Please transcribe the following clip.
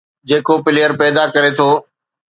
جيڪو پليئر پيدا ڪري ٿو،